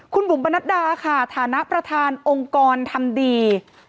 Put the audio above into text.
คุณบุ๋มปณะดาขณะประธานองค์กรทำดี